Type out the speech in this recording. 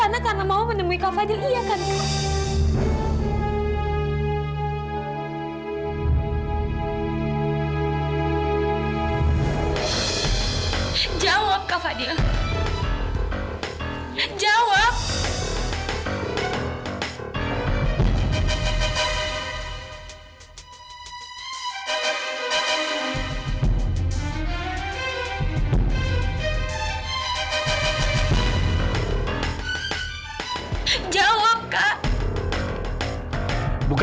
jawab dengan jujur